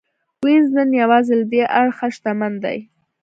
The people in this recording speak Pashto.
وینز نن یوازې له دې اړخه شتمن دی